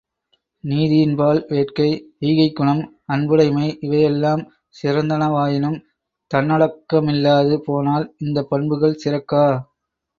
நீதியின் பால் வேட்கை, ஈகைக்குணம், அன்புடைமை இவையெல்லாம் சிறந்தனவாயினும் தன்னடக்கமில்லாது போனால், இந்தப் பண்புகள் சிறக்கா.